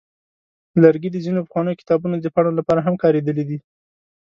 لرګي د ځینو پخوانیو کتابونو د پاڼو لپاره هم کارېدلي دي.